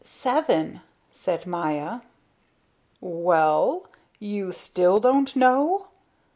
"Seven," said Maya. "Well? Well? You still don't know.